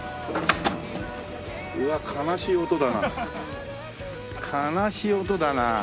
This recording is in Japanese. うわ悲しい音だな。